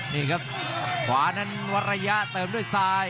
นี่ครับขวานั้นวัดระยะเติมด้วยซ้าย